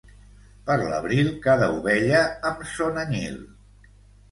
Per l'abril cada ovella amb son anyil.